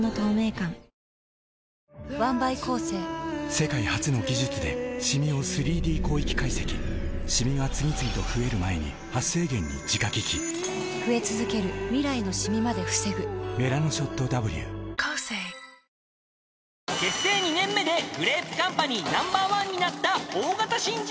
世界初の技術でシミを３Ｄ広域解析シミが次々と増える前に「メラノショットＷ」［結成２年目でグレープカンパニーナンバーワンになった大型新人］